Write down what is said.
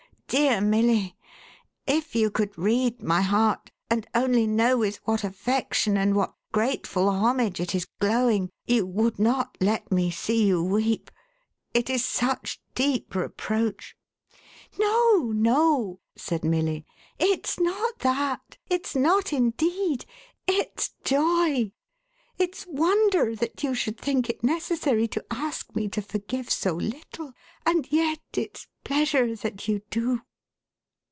Dear Milly, if you could read my heart, and only know with what affection and what grateful homage it is glowing, you would not let me see you weep. It is such deep reproach." " No, no," said Milly, " it's not that. It's not indeed. It's joy. It's wonder that you should think it necessary to ask me to forgive so little, and yet it's pleasure that you do."